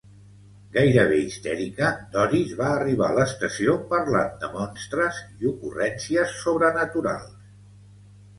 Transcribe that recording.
Gairebé histèrica, Doris va arribar a l'estació parlant de monstres i ocurrències sobrenaturals.